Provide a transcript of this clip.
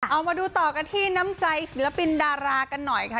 เอามาดูต่อกันที่น้ำใจศิลปินดารากันหน่อยค่ะ